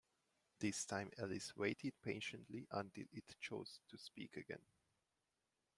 This time Alice waited patiently until it chose to speak again.